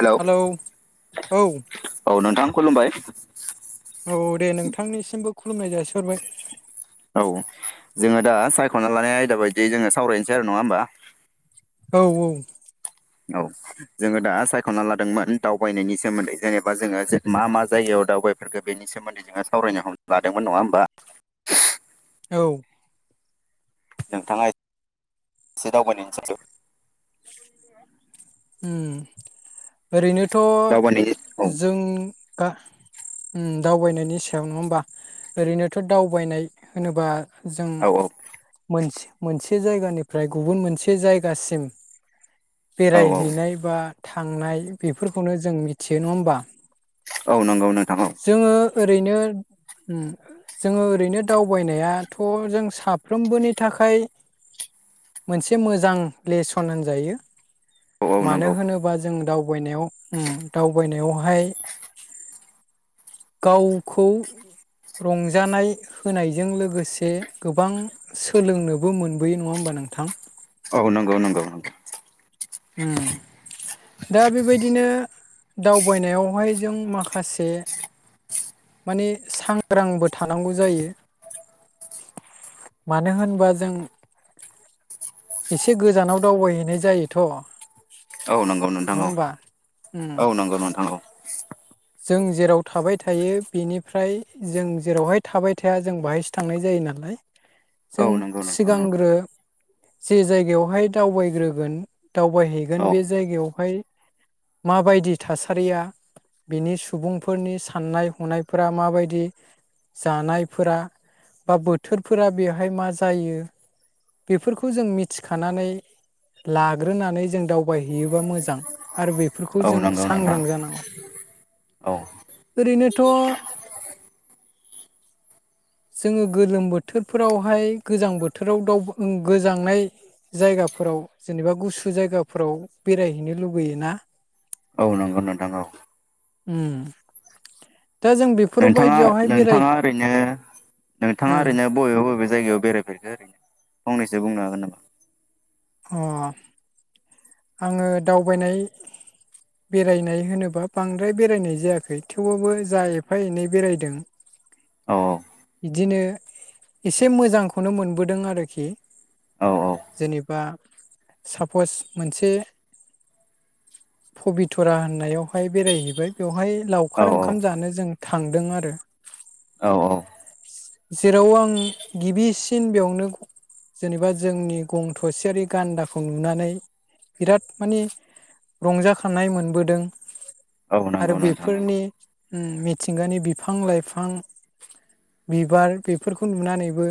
Hello hello औ औ नोंथां खुलुमबाय औ दे नोंथांनिसिमबो खुलुमनाय जासिहरबाय औ जोङो दा सायखना लानाय आयदा बायदियै जोङो सावरायनोसै आरो नङा होमबा? औ औ। औ जोङो दा सायख'ना लादोंमोन दावबायनायनि सोमोन्दै जेनेबा जोङो जे मा मा जायगायाव दावबायफोरखो बेनि सोमोन्दै जोङो सावरायनो लादोंमोन नङा होमबा औ। नोंथाङा एसे दावबायनायनि सोंदों उम ओरैनोथ' दावबायनायनि औ जों दा उम‌ दावबायनायनि सायाव नङा होमबा ओरैनोथ दावबायनाय होनोबा जों औ मोनथि मोनसे जायगानिफ्राय गुबुन मोनसे जायगासिम औ बेरायहैनाय बा थांनाय बेफोरखौनो जों मिथियो नङा होमबा? औ नंगौ नोंथां औ। जोङो ओरैनो। उम जोङो ओरैनो दावबायनायाथ' जों साफ्रोमबोनि थाखाय मोनसे मोजां लेसन होनजायो औ औ मानो नंगौ होनोबा जों दाउ दावबायनायाव उम दावबायनायावहाय गावखौ रंजानाय होनायजों लोगोसे गोबां सोलोंनोबो मोनबोयो नङा होमबा। नोंथां औ नंगौ नंगौ नोंथां होम दा बेबायदिनो दावबायनायावहाय जों माखासे। माने सांग्रांबो थानांगौ जायो। मानो होनबा जों एसे गोजानाव दावबायहैनाय जायोथ औ नंगौ नोंथां औ होमबा उम औ नंगौ नोंथां औ। जों जेराव थाबाय थायो बेनिफ्राय जों जेरावहाय थाबाय थाया जों बाहायसो थांनाय जायो नालाय। औ जों नंगौ नोंथां नंगौ सिगांग्रो जे जायगायावहाय दावबायग्रोगोन दावबायहैगोन औ बे जायगायावहाय माबायदि थासारिया बिनि सुबुंफोरनि साननाय हनायफोरा माबायदि जानायफोरा। बा बोथोरफोरा बेहाय मा जायो। बेफोरखौ जों मिथिखानानै लाग्रोनानै जों दावबायहैयोबा मोजां आरो बेफोरखौ औ जों नंगौ नोंथां सांग्रां जानांगौ। औ ओरैनोथ'। जोङो गोलोम बोथोरफोरावहाय गोजां बोथोराव दाव गोजांनाय जायगा फोराव जेनेबा गुसु जायगाफोराव बेरायहैनो लुबैयोना। औ नंगौ नोंथां औ उम दा जों बेफोराव नोंथाङा बायदियावहाय बेराय नोंथाङा ओरैनो ओ नोंथाङा ओरैनो बबे बबे जायगायाव बेरायफेरखो ओरैनो फंनैसो बुंनो हागोन नामा? ओं आङो दावबायनाय बेरायनाय होनोबा बांद्राय बेरायनाय जायाखै थेवबाबो जा एफा एनै बेरायदों औ बिदिनो एसे मोजांखौनो मोनबोदों आरोखि औ जेनेबा सापज मोनसे। पबितरा होननायावहाय बेरायहैबाय बेवहाय औ लावखार ओंखाम जानो जों थांदों आरो। औ औ जेराव आं गिबिसिन बेयावनो। जेनेबा जोंनि गं थसेयारि गान्दाखौ नुनानै बिराद माने रंजाखानाय मोनबोदों। औ नंगौ नोंथां नंगौ फोरनि उम मिथिंगानि बिफां लाइफां बिबार बेफोरखौ नुनानैबो।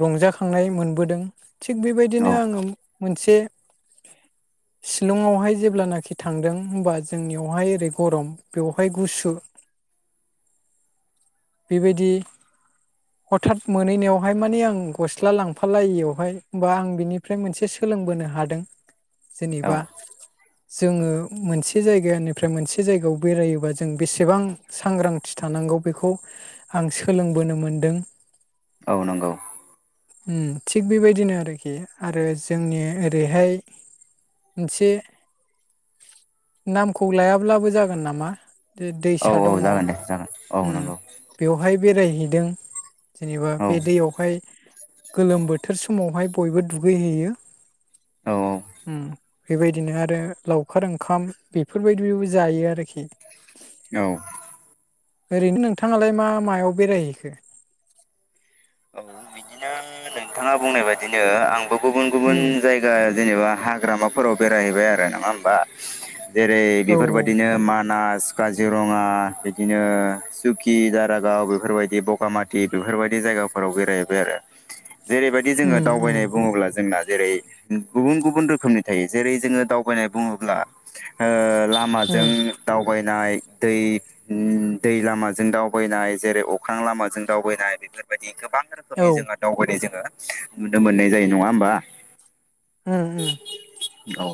रंजाखांनाय मोनबोदों थिग बेबायदिनो औ आङो मोनसे। [inaudible] शिलंआवहाय जेब्लानाखि थांदों हबा जोंनियावहाय ओरै गरम बेवहाय गुसु बेबायदि हथात मोनहैनायावहाय माने आं गस्ला लांफालायियावहाय होमबा आं बिनिफ्राय मोनसे सोलोंबोनो हादों औ जेनेबा। जोङो मोनसे जायगानिफ्राय मोनसे जायगायाव बेरायोबा जों बेसेबां सांग्रां थि थानांगौ बेखौ आं सोलोंबोनो मोनदों औ नंगौ। ओम थिग बेबायदिनो आरोखि आरो जोंनि ओरैहाय मोनसे नामखौ लायाब्लाबो जागोन नामा दैसा दङ। उ औ उम नंगौ। बेवहाय बेरायहैदों जेनेबा औ बे दैयावहाय। गोलोम बोथोर समावहाय बयबो दुगैहैयो औ उम बेबायदिनो आरो लावखार ओंखाम बेफोरबायदिबो जायो आरोखि। औ ओरैनो नोंथाङालाय मा मायाव बेरायहैखो बेबायदिनो आंबो गुबुन गुबुन उम जायगा जेनेबा हा हाग्रामाफोराव बेरायहैबाय आरो नङा होमबा जेरै औ बेफोरबायदिनो मानास स काजिरङा बिदिनो सुकि दारागाव बेफोरबायदि बगामाथि बेफोरबायदि जायगाफोराव बेरायहैबाय आरो जेरैबायदि जोङो उम उम दावबायनाय बुङोब्ला जोंना जेरै गुबुन गुबुन रोखोमनि थायो जेरै जोङो दावबायनाय बुङोब्ला ओ लामाजों उम दावबायनाय हाय दै लामाजों दावबायनाय जेरै अख्रां लामाजों दावबायनाय बेफोर। बेबायदि गोबां औ रोखोमनि जोङो दावबायनाय जोङो नुनो मोननाय जायो नङा होमबा। ओम ओम। औ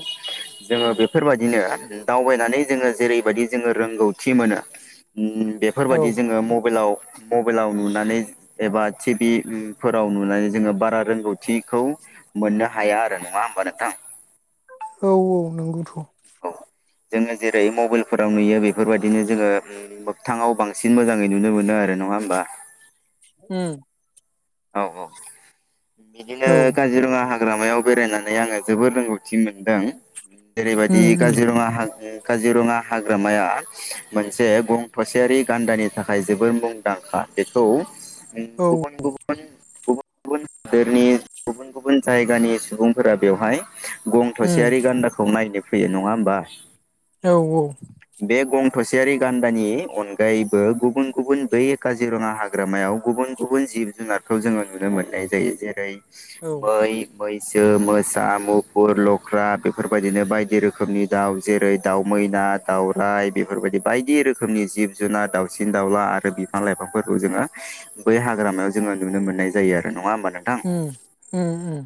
जोङो बेफोरबायदिनो दावबायनानै जोङो जेरैबायदि जोङो रोंगौथि मोनो उम औ बेफोरबायदि जोङो मबाइलाव। मबाइलाव नुनानै एबा टिभि फोराव नुनानै जोङो बारा रोंगौथिखौ मोननो हाया आरो नङा होमबा नोंथां। औ औ नंगौथ'। औ जोङो जेरै मबाइलफोराव नुयो बेफोरबायदिनो जोङो मोगथाङाव बांसिन मोजाङै नुनो मोनो आरो नङा होनोमबा। होम औ औ बिदिनो औ काजिरङा हाग्रामायाव बेरायनानै आङो जोबोर रोंगौथि मोनदों उम जेरैबायदि उम काजिरङा हाजो काजिरङा हाग्रामाया मोनसे गं थसेयारि गान्दानि थाखाय जोबोर मुंदांखा। बेखौ औ गुबुन गुबुन गुबुन गुबुन हादोरनि गुबुन गुबुन जायगानि सुबुंफोरा बेवहाय गं उम थसेयारि गान्दाखौ नायनो फैयो नङा होमबा औ औ। बे गं थसेयारि गान्दानि अनगायैबो गुबुन गुबुन बै काजिरङा हाग्रामायाव गुबुन गुबुन जिब जुनारखौ जोङो नुनो मोननाय जायो जेरै औ मै मैसो मोसा मुफुर लख्रा बेफोरबायदिनो बायदि रोखोमनि दाउ जेरै दाउ म मैना दावउराय बेफोरबायदि बायदि रोखोमनि जिब जुनार दाउसिन दाउला आरो बिफां लाइफांफोर जोङो बै हाग्रायाव जोङो नुनो मोननाय जायो आरो नङा होमबा? उम उम उम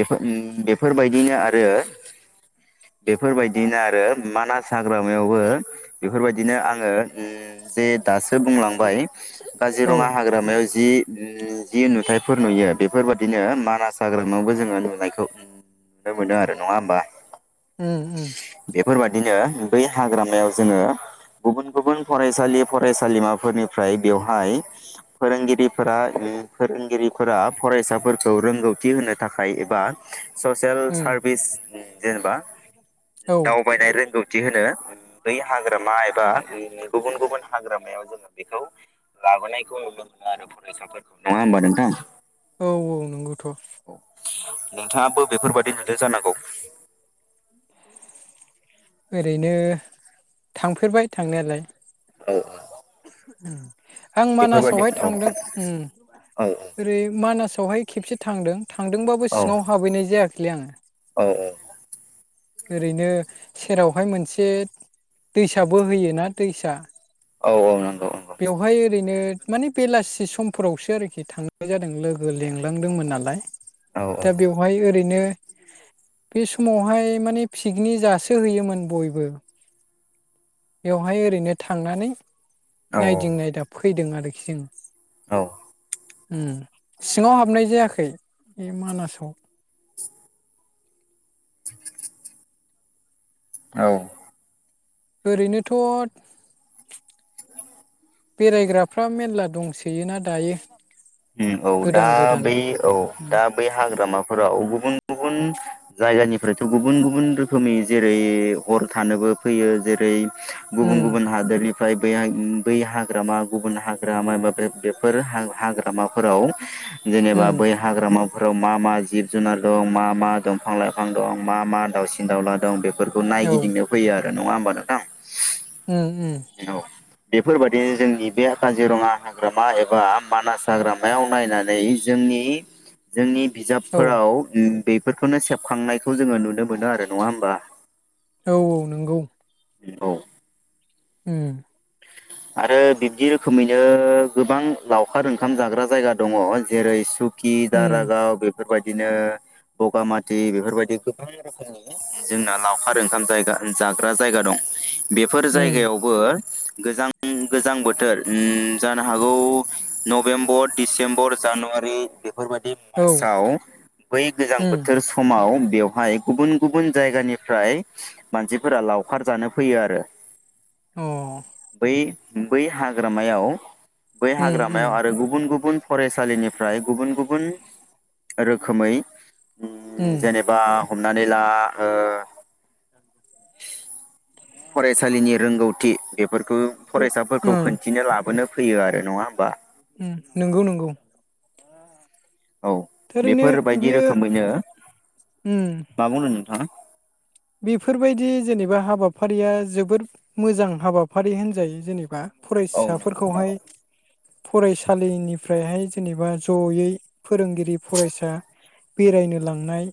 बेफो उम बेफोरबायदिनो आरो [inaudible] बेफोरबायदिनो आरो मानास हाग्रामायावबो बेफोरबायदिनो आङो उम जे दासो बुंलांबाय औ काजिरङा हाग्रामायाव जि जि नुथायाइफोर नुयो बेफोरबाददिनो मानास हाग्रामायावबो जोङो नुनायखौ नुनो मोनो आरो नङा होमबा? उम उम बेफोरबायदिनो बै हाग्रामायाव जोङो गुबुन गुबुन फरायसालि फरायसालिमाफोरनिफ्राय बेवहाय फोरोंगिरिफोरा ओम फोरोंगिरिफोरा फरायसाफोरखौ रोंगौथि होनो थाखाय ए बा ससियेल उम सार्भिस जेनेबा औ। दि होनो बै हाग्रामा एबा गुबुन गुबुन हाग्रामायाव जोङो बेखौ लाबोनायखौ नुनो मोनो आरो फरायसाफोरखौ नंङा होमबा नोंथां? औ औ औ नंगौथ'। नोंथाङाबो बेफोरबायाददि नुदों जानांगौ। ओरैनो थांफेरबाय थांनायालाय। औ औ आं बेफोरबायदि मानासावहाय औ थांदों उम औ ओरै मानासावहाय खेबसे थांदों थांदोंबाबो औ सिङाव हाबैनाय जायाखैलै आङो औ ओरैनो सेरावहाय मोनसे दैसाबो होयोना दैसा औ औ नंगौ नंगौ बेवहाय ओरैनो माने बेलासि समफोरावसो आरोखि थांनाय जादों लोगो लिंलांदोंमोन नालाय। औ दा बेवहाय ओरैनो बे समावहाय माने पिकनि जासो होयोमोन बयबो बेवहाय ओरैनो थांनानै औ नायदिं नायदा फैदों आरोखि जों। औ ओम सिङाव हाबनाय जायाखै बे मानासाव [inaudible] औ ओरैनोथ' [inaudible] बेरायग्राफ्रा मेरला दंसोयोना दायो। उम औ दा गोदान गोदान बै औ दा उम बै हाग्रामाफोराव गुबुन गुबुन जायगानिफ्रायथ' गुबुन गुबुन रोखोमनि जेरै हर थानोबो फैयो जेरै गुबुन उम गुबुन हादरनि फ्राय बै हाग्रामा गुबुन हाग्रामा एबा बे बेफोर हा-हाग्रा रामाफोराव जेनेबा उम बै हाग्रामा फोराव मा मा जिब जुनार दं मा मा दंफां लाइफां दं मा मा दाउसिन दाउला दं बे फोरखौ औ नायगिदिंनाव फैयो आरो नङा होमबा नोंथां? उम उम औ बेफोरबायदिनो जोंनि बे काजिरङा हाग्रामा एबा मानास हाग्रामायाव नायनानै जोंनि जोंनि औ बिजाबफोराव उम बेफोरखौनो सेबखांनायखौ जोङो नुनो मोनो आरो नङा होमबा? औ औ नंगौ। औ उम आरो बिब्दि रोखोमैनो गोबां लावखार ओंखाम जाग्रा जायगा दङ' जेरै सु कि उम दारागाव बेफोरबायदिनो बगामाथि बेफोरबायदि गोबां रोखोमनि जोंना लावखार ओंखाम जायगा जाग्रा जायगा दं बेफोर जायगायावबो गोजां उम गोजां बोथोर उम जानो हागौ नभेम्बर, डिसेम्बर, जानुवारि बेफोरबायदि औ मासाव बै गोजां उम बोथोर समाव बेयाव हाय गुबुन गुबुन जायगानिफ्राय मानसिफोरा लावखार जानो फैयो आरो। अ बै बै हाग्रामायाव बै उम उम हाग्रामायाव आरो गुबुन गुबुन फरायसालिनिफ्राय गुबुन गुबुन रोखोमै उम जेनेबा हमनानै ला ओ फरायसालिनि रोंगौथि बेफोरखौ ओ फरायसाफोरखौ उम खोन्थिनो लाबोनो फैयो आरो नङा होमबा? उम नंगौ नंगौ। औ ओरैनो बेफोरबायदि बियो रोखोमैनो उम मा बुंदों नोंथाङा बेफोरबायदि जेनेबा हाबाफारिया जोबोद मोजां हाबाफारि होनजायो जेनेबा औ नंगौ फरायसाफोरखौहाय नंगौ फरायसालिनिफ्रायहाय जेनेबा जयै फोरोंगिरि फरायसा बेरायनो लांनाय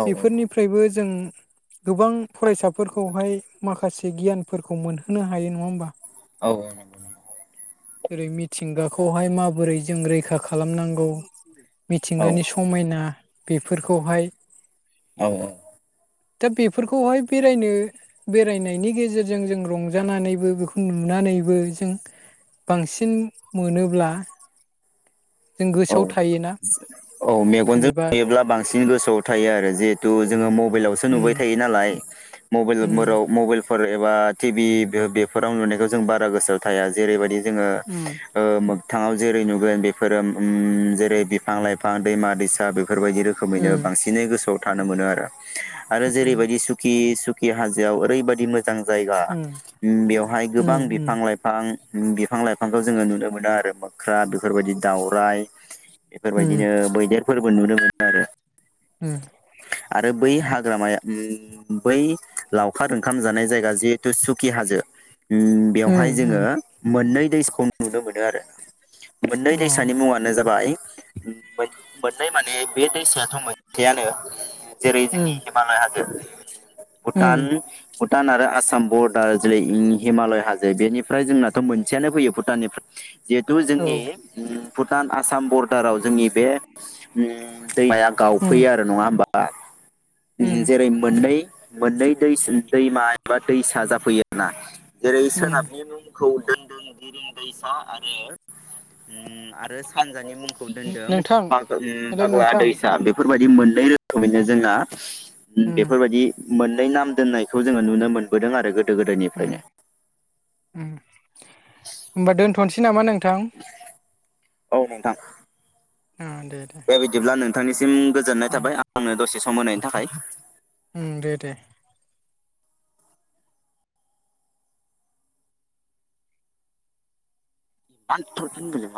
औ बेफोरनिफ्रायबो जों गोबां फरायसाफोरखौहाय माखासे गियानफोरखौ मोनहोनो हायो नङा होमबा? औ नंगौ नंगौ। जेरै मिथिंगाखौहाय माबोरै जों रैखा खालामनांगौ? औ मिथिंगानि समायना बेफोरखौहाय औ औ। दा बेफोरखौहाय बेरायनो बेरायनायनि गेजेरजों जों रंजानानैबो बेखौ नुना नानैबो जों बांसिन मोनोब्ला जों औ गोसोआव थायोना औ मेगनजों जेनेबा नुयोब्ला बां सिन गोसोआव थायो आरो जिहेथु जोङो मबेलावसो उम नुबाय थायो नालाय। उम मबेलफोराव मबेलफोर एबा टिभि बे-बेफोराव नुनायखौ जों बारा गोसोआव थाया जेरैबायदि जोङो उम ओ मोगथाङाव जेरै नुगोन बेफोरो उम जेरै बिफां लाइफां दैमा दैसा बेफोरबायदि रोखोमैनो उम बांसिनै गोसोआव थानो मोनो आरो। आरो जेरैबायदि सुखि सुखि हाजोआव ओरैबायदि मो जां जायगा उम उम बेवहाय गोबां उम बिफां लाइफां बिफां लाइफांखौ जोङो नुनो मोनो आरो मोख्रा बेफोरबायदि दावराइ उम बेफोरबायदिनो मैदेरफोरबो नुनो मोनो आरो। उम आरो बै हाग्रामाया बै बै लावखार ओंखाम जानाय जायगा जिहेथु सुखि हाजो उम बेयावहाय उम उम जोङो मोननै दैसखौ नुनो मोनो आरो मोननै अ उम दैसानि मुङानो जाबाय उम मोन- मोननै माने बे दैसायाथ' मोनसेयानो। जेरै जोंनि हिमालय हाजो, भुटान, भुटान आरो आसाम बरडार जेरै इ हिमालय हाजो बेनिफ्राय जोंनाथ' मोनसेयानो फैयो भुटाननिफ्राय जिहेतु औ जोंनि उम भुटान आसाम बरडाराव जोंनि बे उम दैमाया उम गावफैयो आरो नङा होमबा उम जेरै मोननै मोननै दैस दैमा एबा दैसा जाफैयोना जेरै उम सोनाबनि मुंखौ दोनदोन गुरुं दैसा आरो उम आरो सानजानि मुंखौ दोनदों नोंथां फाग ओम हेलौ फागला नोंथां दैसा बेफोरबायदि मोननै रो खोमैनो जोंना उम बेफोरबायदि मोननै नाम दोननायखौ जोङो नुनो मोनबोदों आरो गो उम उम होमबा दोनथ'नोसै नामा नोंथां? औ नोंथां। ओ दे दे। नोंथांनिसिम गोजोननाय उम थाबाय आंनो दसे सम होनायनि थाखाय। उम दे दे। [unintelligible]